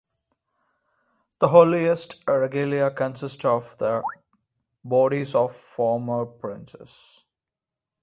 The holiest regalia consist of the bodies of former princes.